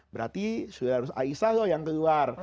berarti aisyah loh yang keluar